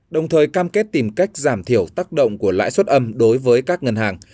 đồng thời cam kết tìm cách giảm thiểu tác động của lãi suất âm đối với các ngân hàng